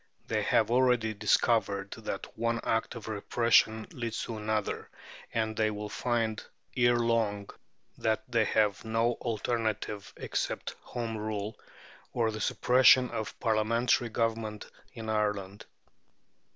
They have already discovered that one act of repression leads to another, and they will find ere long that they have no alternative except Home Rule or the suppression of Parliamentary Government in Ireland.